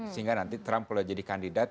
sehingga nanti trump boleh jadi kandidat